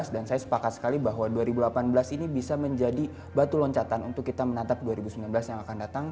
dan saya sepakat sekali bahwa dua ribu delapan belas ini bisa menjadi batu loncatan untuk kita menatap dua ribu sembilan belas yang akan datang